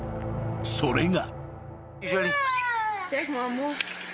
それが］